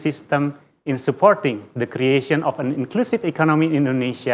untuk mendukung pembinaan ekonomi yang inklusif di indonesia